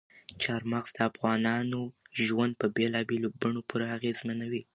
چار مغز د افغانانو ژوند په بېلابېلو بڼو پوره اغېزمنوي.